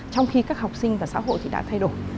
trong khi các học sinh và xã hội thì đã thay đổi